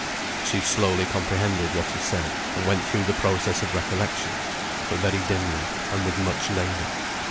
She slowly comprehended what he said, and went through the process of recollection; but very dimly, and with much labour.